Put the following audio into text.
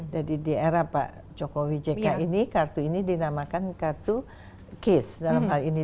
jadi di era pak jokowi jk ini kartu ini dinamakan kartu kis dalam hal ini